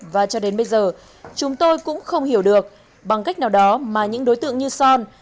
và cho đến bây giờ chúng tôi cũng không hiểu được bằng cách nào đó mà những đối tượng như son